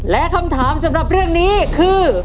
และคำถามสำหรับเรื่องนี้คือ